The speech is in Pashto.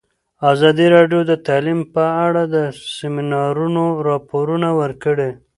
ازادي راډیو د تعلیم په اړه د سیمینارونو راپورونه ورکړي.